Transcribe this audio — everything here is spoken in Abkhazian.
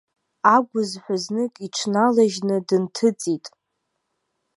Агәызҳәа знык иҽналажьны дынҭыҵит.